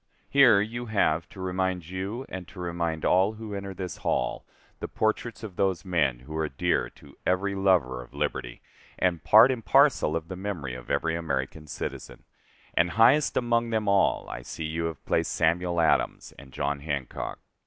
Here you have, to remind you, and to remind all who enter this hall, the portraits of those men who are dear to every lover of liberty, and part and parcel of the memory of every American citizen; and highest among them all I see you have placed Samuel Adams and John Hancock.